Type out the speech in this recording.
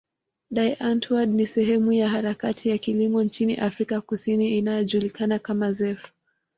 Die Antwoord ni sehemu ya harakati ya kilimo nchini Afrika Kusini inayojulikana kama zef.